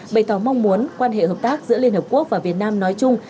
bày tỏ mong muốn quan hệ hợp tác giữa liên hợp quốc và việt nam nói chung